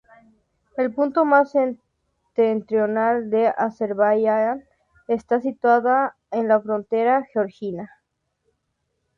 El punto más septentrional de Azerbaiyán esta situada en la frontera georgiana.